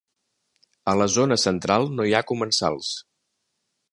A la zona central no hi ha comensals.